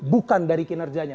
bukan dari kinerjanya